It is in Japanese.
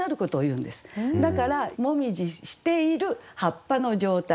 だから紅葉している葉っぱの状態。